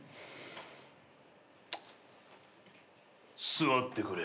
座ってくれ。